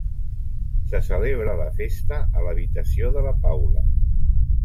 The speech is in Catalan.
Se celebra la festa a l'habitació de la Paula.